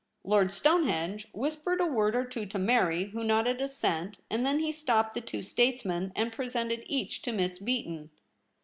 Lord Stonehenge whispered a word or two to Mary, who nodded assent ; and then he stopped the two states men, and presented each to Miss Beaton.